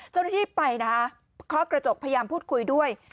เจ้าหน้าที่ไปนะคะเคาะกระจกพยายามพูดคุยด้วย